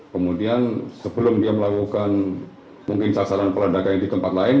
kemudian sebelum dia melakukan mungkin sasaran peledakan di tempat lain